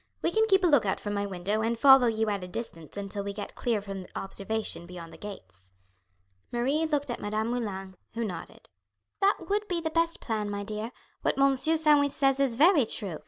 We can keep a look out from my window and follow you at a distance until we get clear from observation beyond the gates." Marie looked at Madame Moulin, who nodded. "That would be the best plan, my dear. What Monsieur Sandwith says is very true.